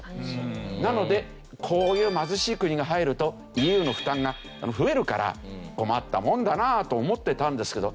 なのでこういう貧しい国が入るとＥＵの負担が増えるから困ったもんだなと思ってたんですけど